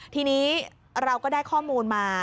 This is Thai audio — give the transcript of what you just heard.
ทีนี้เราก็ได้ข้อมูลมา